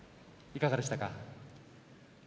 いかがでしたか？